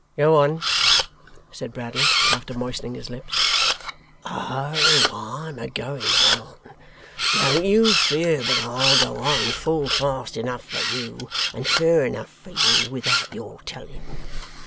'Go on,' said Bradley, after moistening his lips. 'O! I'm a going on. Don't you fear but I'll go on full fast enough for you, and fur enough for you, without your telling.